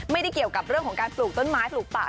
ไม่ได้เกี่ยวกับเรื่องของการปลูกต้นไม้ปลูกป่า